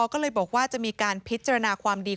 ก็เลยบอกว่าจะมีการพิจารณาความดี